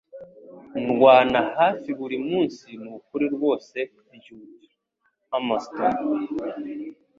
Ndwana hafi buri munsi nukuri rwose byumve(Amastan)